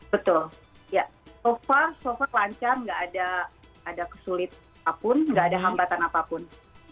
betul ya sofa sofa lancar nggak ada kesulitan apapun nggak ada hambatan apapun